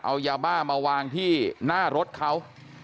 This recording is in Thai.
เอายาบ้ามาวางที่หน้ารถเขา